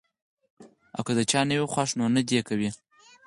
او کۀ د چا نۀ وي خوښه نو نۀ دې ورکوي -